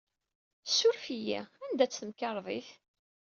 Ssuref-iyi, anda-tt temkarḍit?